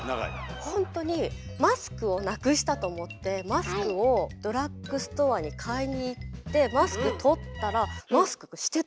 ほんとにマスクをなくしたと思ってマスクをドラッグストアに買いに行ってマスク取ったらマスクしてた。